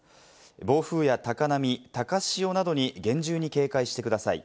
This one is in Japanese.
暴風や高波、高潮などに厳重に警戒してください。